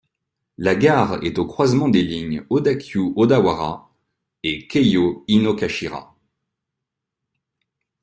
La gare est au croisement des lignes Odakyū Odawara et Keiō Inokashira.